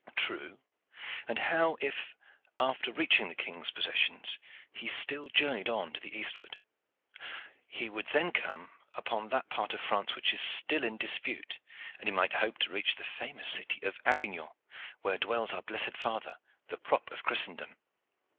"True. And how if, after reaching the King's possessions, he still journeyed on to the eastward?" "He would then come upon that part of France which is still in dispute, and he might hope to reach the famous city of Avignon, where dwells our blessed father, the prop of Christendom."